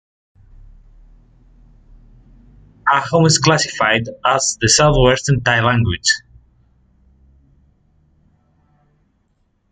Ahom is classified as a Southwestern Tai language.